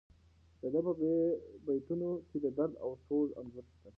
د ده په بیتونو کې د درد او سوز انځور شته.